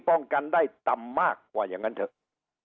ป้องกันได้ต่ำมากกว่าอย่างนั้นเถอะ